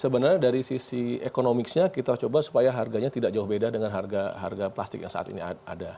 sebenarnya dari sisi ekonomisnya kita coba supaya harganya tidak jauh beda dengan harga plastik yang saat ini ada